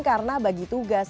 karena bagi tugas